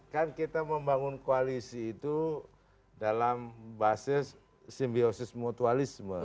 kan kita membangun koalisi itu dalam basis simbiosis mutualisme